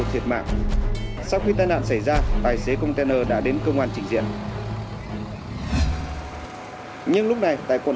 thiệt mạng sau khi tai nạn xảy ra tài xế container đã đến công an trình diện nhưng lúc này tại quận